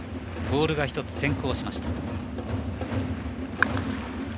ボールが１つ先行しました。